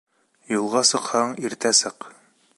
Юлға сыҡһаң, иртә сыҡ.